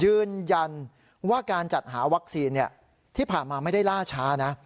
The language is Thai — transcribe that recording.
ยืนยันว่าการจัดหาวัคซีนที่ผ่านมาไม่ได้ล่าช้านะ